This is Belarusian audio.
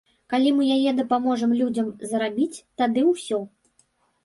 Калі мы яе дапаможам людзям зарабіць, тады ўсё!